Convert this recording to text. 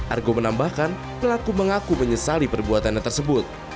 argo menambahkan pelaku mengaku menyesali perbuatan yang tersebut